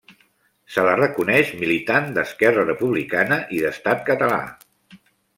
Se la reconeix militant d'Esquerra Republicana i d'Estat Català.